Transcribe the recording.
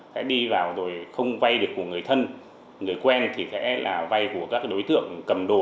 sẽ đi vào rồi không vay được của người thân người quen thì sẽ là vay của các đối tượng cầm đồ